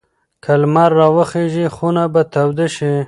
که لمر راوخېژي خونه به توده شي.